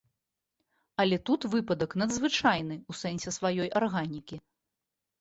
Але тут выпадак надзвычайны ў сэнсе сваёй арганікі.